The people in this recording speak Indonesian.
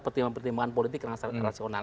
pertimbangan pertimbangan politik rasional